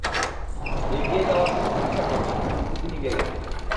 এগিয়ে যাওয়ার কোনো ইচ্ছা করছে না, কিন্তু তিনি গেলেন।